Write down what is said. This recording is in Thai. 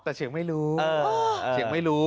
แต่เฉียงไม่รู้เฉียงไม่รู้